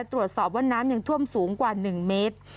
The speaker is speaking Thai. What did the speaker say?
ตรวจสอบว่าน้ำยังท่วมสูงกว่า๑เมตร